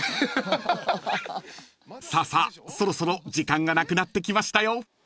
［さあさあそろそろ時間がなくなってきましたよ］